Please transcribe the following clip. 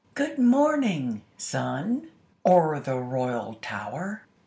Good morning, sun, o'er the royal tower!